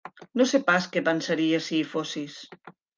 No sé pas què pensaria si hi fossis.